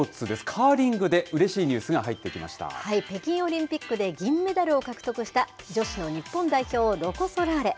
カーリングでうれしいニュースが北京オリンピックで銀メダルを獲得した女子の日本代表、ロコ・ソラーレ。